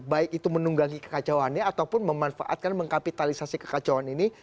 baik itu menunggangi kekacauannya ataupun memanfaatkan mengkapitalisasi kekacauan ini